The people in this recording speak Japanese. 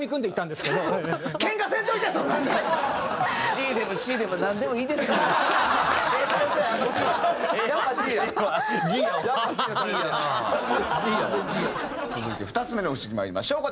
続いて２つ目の不思議にまいりましょう。